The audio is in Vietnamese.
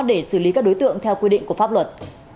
để xử lý các đối tượng theo quy định của pháp luật